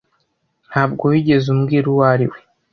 Ntabwo wigeze umbwira uwo ari we.